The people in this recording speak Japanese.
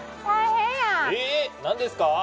え何ですか？